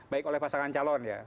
baik oleh pasangan calon ya